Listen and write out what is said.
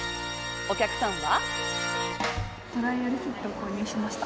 お客さんは。